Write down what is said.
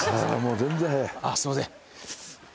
すいません。